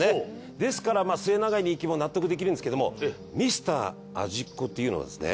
ですから末長い人気も納得できるんですけども『ミスター味っ子』っていうのはですね